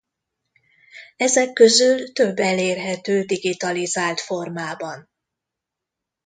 Ezek közül több elérhető digitalizált formában.